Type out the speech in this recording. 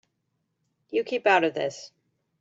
You keep out of this.